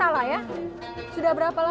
tapi suka tidak dengan pantun